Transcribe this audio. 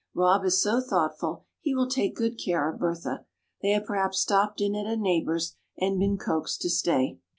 "Rob is so thoughtful, he will take good care of Bertha. They have perhaps stopped in at a neighbor's, and been coaxed to stay."